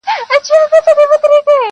بلبل نه وو یوه نوې تماشه وه -